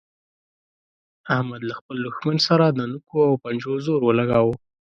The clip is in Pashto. احمد له خپل دوښمن سره د نوکو او پنجو زور ولګاوو.